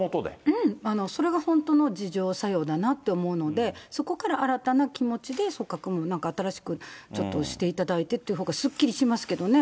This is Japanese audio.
うん、それが本当の自浄作用だなと思うので、そこから新たな気持ちで組閣も、なんか新しくちょっとしていただいてっていうほうがすっきりしますけれどもね。